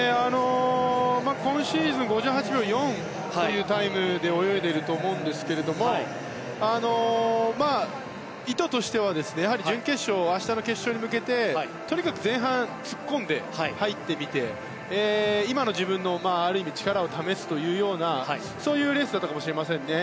今シーズン５８秒４というタイムで泳いでいると思うんですが意図としては準決勝、明日の決勝に向けてとにかく前半突っ込んで入ってみて今の自分のある意味力を試すというようなそういうレースだったかもしれませんね。